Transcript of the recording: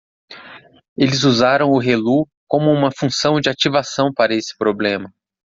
Eles usaram o relu como uma função de ativação para esse problema.